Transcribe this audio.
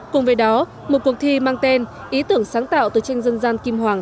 cùng với đó một cuộc thi mang tên ý tưởng sáng tạo từ tranh dân gian kim hoàng